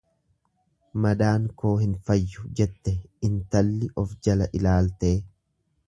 Madaan koo hin fayyu jette intalli of jala ilaaltee.